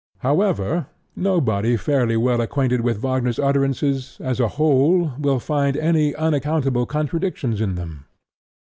However, nobody fairly well acquainted with Wagner's utterances as a whole will find any unaccountable contradictions in them.